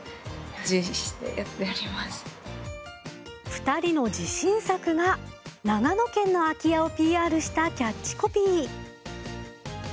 ２人の自信作が長野県の空き家をＰＲしたキャッチコピー。